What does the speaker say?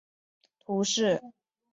伊德圣罗克人口变化图示